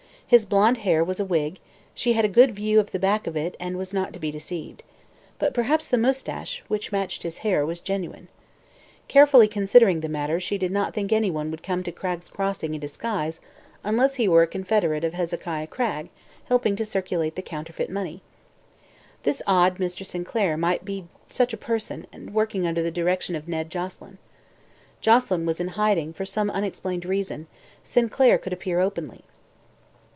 His blond hair was a wig; she had a good view of the back of it and was not to be deceived. But perhaps the moustache, which matched the hair, was genuine. Carefully considering the matter, she did not think anyone would come to Cragg's Crossing in disguise unless he were a confederate of Hezekiah Cragg, helping to circulate the counterfeit money. This odd Mr. Sinclair might be such a person and working under the direction of Ned Joselyn. Joselyn was in hiding, for some unexplained reason; Sinclair could appear openly.